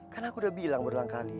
kan aku udah bilang berlangkali